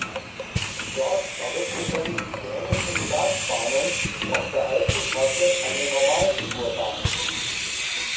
Dort errichteten die Dänischen Staatsbahnen auf der alten Trasse eine Normalspurbahn.